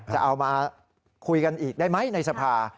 จะเอามาคุยกันอีกได้ไหมในสภา